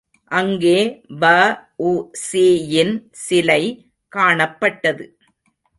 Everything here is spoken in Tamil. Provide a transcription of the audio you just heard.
அங்கே வ.உ.சி யின் சிலை காணப்பட்டது.